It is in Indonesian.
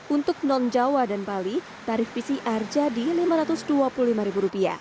untuk non jawa dan bali tarif pcr jadi rp lima ratus dua puluh lima